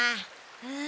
うん。